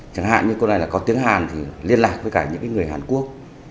chẳng hạn như cô này là có tiếng hàn thì liên lạc với cả những người hàn quốc